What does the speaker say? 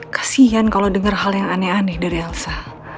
kasian kalau dengar hal yang aneh aneh dari elsa